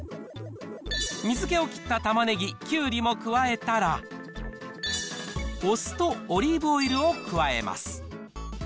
水気を切ったたまねぎ、きゅうりも加えたら、お酢とオリーブオイルを加えます。